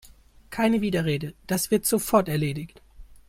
Keine Widerrede, das wird sofort erledigt!